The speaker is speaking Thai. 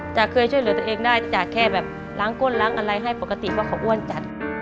เคยช่วยเหลือตัวเองได้จากแค่แบบล้างก้นล้างอะไรให้ปกติเพราะเขาอ้วนจัด